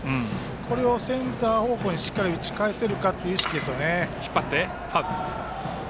これをセンター方向にしっかり打ち返せるかという意識ですよね。